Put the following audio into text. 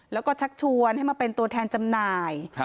แล้วก็ชักชวนให้มาเป็นตัวแทนจำหน่าย